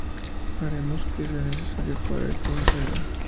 Haremos lo que sea necesario para que esto suceda".